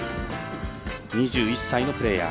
２１歳のプレーヤー。